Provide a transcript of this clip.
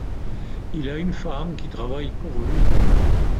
Il a une femme qui travaille pour lui.